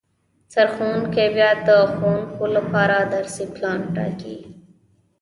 سرښوونکی بیا د ښوونکو لپاره درسي پلان ټاکي